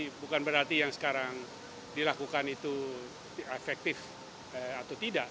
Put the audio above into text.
jadi bukan berarti yang sekarang dilakukan itu efektif atau tidak